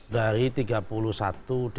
dari tiga puluh satu dpd satu